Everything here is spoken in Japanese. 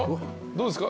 どうっすか？